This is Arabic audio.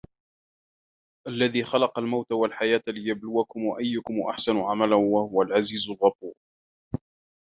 الَّذي خَلَقَ المَوتَ وَالحَياةَ لِيَبلُوَكُم أَيُّكُم أَحسَنُ عَمَلًا وَهُوَ العَزيزُ الغَفورُ